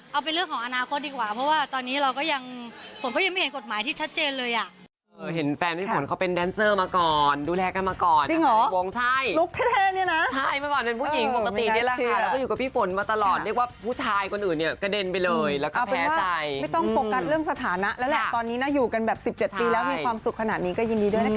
เอาเป็นเรื่องของอนาคตดีกว่าเพราะว่าตอนนี้เราก็ยังฝนเขายังไม่เห็นกฎหมายที่ชัดเจนเลยอ่ะ